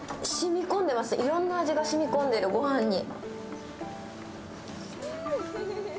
しみ込んでます、いろんな味がしみ込んでる、御飯に。